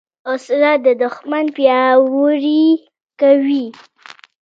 وسله د دوښمن پیاوړي کوي